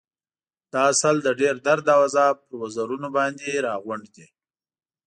دا عسل د ډېر درد او عذاب پر وزرونو باندې راغونډ دی.